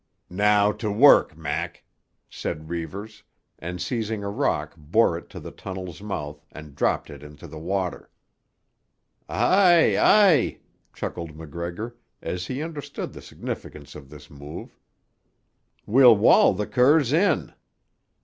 "Now to work, Mac," said Reivers, and seizing a rock bore it to the tunnel's mouth and dropped it into the water. "Aye, aye!" chuckled MacGregor, as he understood the significance of this move. "We'll wall the curs in."